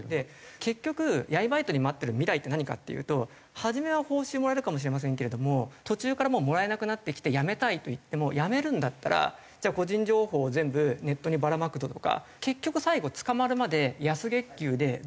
結局闇バイトに待ってる未来って何かっていうと初めは報酬もらえるかもしれませんけれども途中からもらえなくなってきてやめたいと言ってもやめるんだったらじゃあ個人情報を全部ネットにばらまくぞとか結局最後捕まるまで安月給でずっと使われ続けるんですよ。